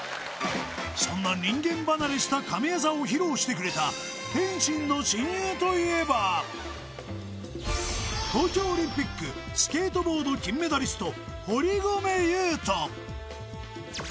そんな人間離れした神業を披露してくれた東京オリンピックスケートボード金メダリスト